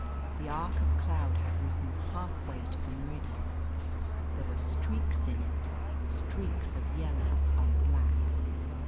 The arc of cloud had risen halfway to the meridian. There were streaks in it streaks of yellow on black.